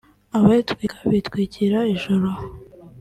Abayatwika bitwikira ijoro